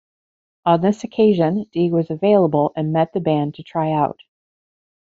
On this occasion, Dee was available and met the band to try out.